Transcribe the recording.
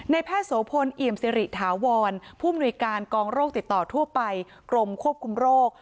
แพทย์โสพลเอี่ยมสิริถาวรผู้มนุยการกองโรคติดต่อทั่วไปกรมควบคุมโรค